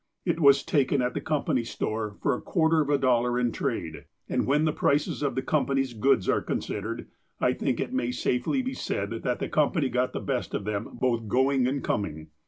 It was taken at the company's store for a quarter of a dollar in trade, and when the prices of the company's goods are considered, I think it may safely be said that the company got the best of them both going and coming.